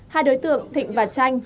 hai đối tượng thịnh và tranh